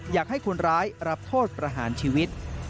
อยากให้คนร้ายรับโทษประหารชีวิต